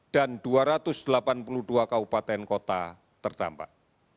dan dua ratus delapan puluh dua kaupaten kota terdampak